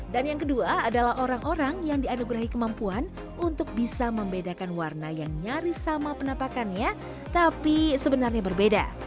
dan yang kedua adalah orang orang yang dianugerahi kemampuan untuk bisa membedakan warna yang nyaris sama penampakannya tapi sebenarnya berbeda